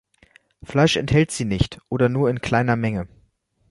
Fleisch enthält sie nicht oder nur in kleiner Menge.